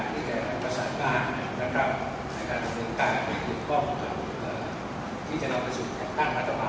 ในการสำเร็จเหมือนกันทุกส่วนที่จะเรากระสุนแบบตั้งกระทบัตร